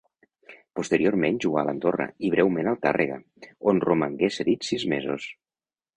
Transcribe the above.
Posteriorment jugà a l'Andorra i breument al Tàrrega on romangué cedit sis mesos.